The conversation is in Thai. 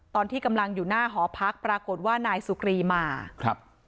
ตอนที่กำลังอยู่หน้าหอพักปรากฏว่านายสุกรีมาครับ